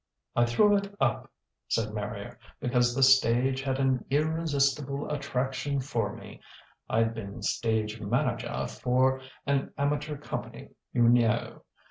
"I threw it up," said Marrier, "because the stage had an irresistible attraction for me. I'd been stage manajah for an amateur company, you knaoo.